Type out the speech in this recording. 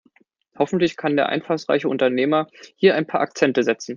Hoffentlich kann der einfallsreiche Unternehmer hier ein paar Akzente setzen.